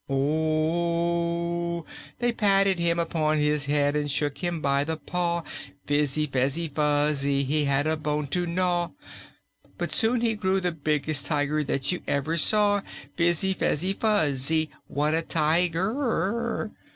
"Oh! They patted him upon his head and shook him by the paw Fizzy fezzy fuzzy he had a bone to gnaw; But soon he grew the biggest Tiger that you ever saw Fizzy fezzy fuzzy what a Ti ger!